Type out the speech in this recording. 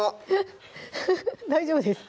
大丈夫です